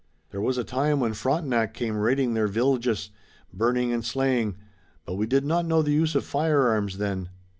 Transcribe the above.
There was a time when Frontenac came raiding their villages, burning and slaying, but we did not know the use of firearms then.